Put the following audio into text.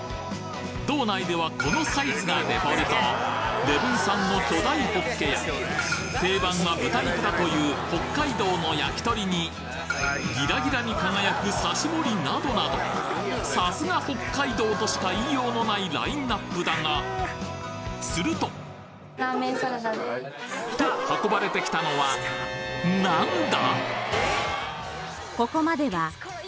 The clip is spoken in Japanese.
道内ではこのサイズがデフォルト礼文産の巨大ホッケや定番は豚肉だという北海道の焼き鳥にギラギラに輝く刺し盛などなどさすが北海道！としか言いようのないラインナップだがするとと運ばれてきたのは何だ！？